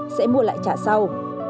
sẽ mua lại trả sau